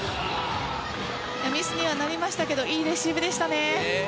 ミスにはなりましたけどいいレシーブでしたね。